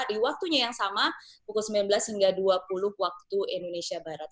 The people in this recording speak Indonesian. di waktunya yang sama pukul sembilan belas hingga dua puluh waktu indonesia barat